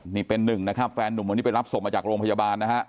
นี่เป็นหนึ่งนะครับแฟนหนุ่มวันนี้ไปรับศพมาจากโรงพยาบาลนะฮะ